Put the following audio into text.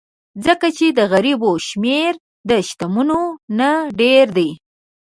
ځکه چې د غریبو شمېر د شتمنو نه ډېر دی.